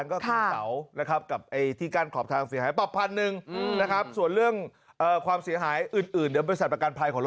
ร้อนเบรกแตกเลย